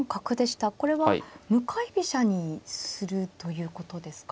これは向かい飛車にするということですか。